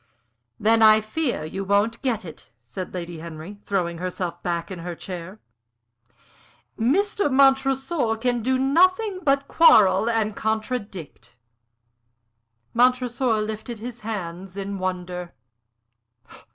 "Then I fear you won't get it," said Lady Henry, throwing herself back in her chair. "Mr. Montresor can do nothing but quarrel and contradict." Montresor lifted his hands in wonder.